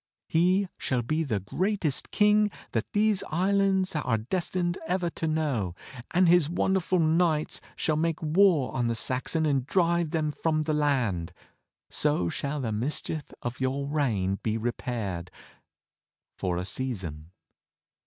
He shall be the greatest king that these Islands are destined ever to know. He and his wonderful knights shall make war on the Saxon and drive him from the land. So shall the mischief of your reign be repaired — for a season."